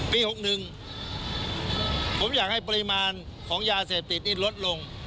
๖๑ผมอยากให้ปริมาณของยาเสพติดนี่ลดลง